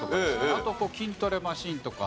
あと筋トレマシンとか。